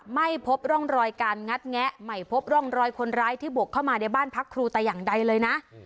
ไม่พบร่องรอยการงัดแงะไม่พบร่องรอยคนร้ายที่บุกเข้ามาในบ้านพักครูแต่อย่างใดเลยนะ